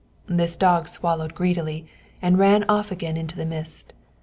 This the dog swallowed greedily, and ran off again into the mist.